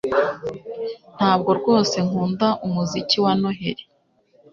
Ntabwo rwose nkunda umuziki wa Noheri